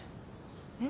えっ？